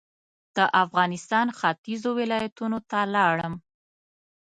د افغانستان ختيځو ولایتونو ته لاړم.